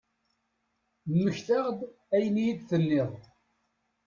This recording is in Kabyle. Mmektaɣ-d ayen i iyi-d-tenniḍ.